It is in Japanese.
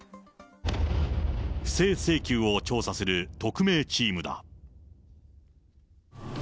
不正請求を調査する特命チームだ。